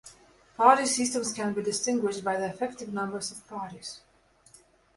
Party systems can be distinguished by the effective number of parties.